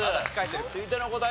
続いての答え